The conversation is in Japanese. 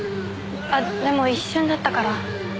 あっでも一瞬だったから。